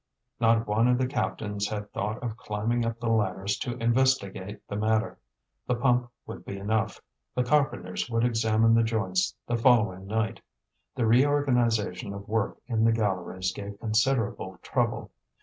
Not one of the captains had thought of climbing up the ladders to investigate the matter. The pump would be enough, the carpenters would examine the joints the following night. The reorganization of work in the galleries gave considerable trouble.